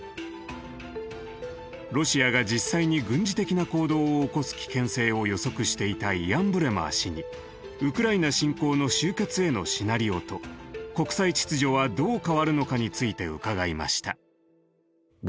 ロシアが実際に軍事的な行動を起こす危険性を予測していたイアン・ブレマー氏にウクライナ侵攻の終結へのシナリオと国際秩序はどう変わるのかについて伺いました。